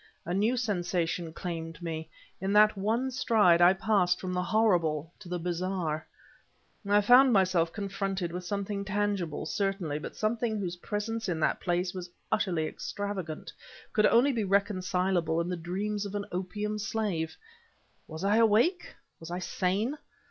A new sensation claimed me. In that one stride I passed from the horrible to the bizarre. I found myself confronted with something tangible, certainly, but something whose presence in that place was utterly extravagant could only be reconcilable in the dreams of an opium slave. Was I awake, was I sane?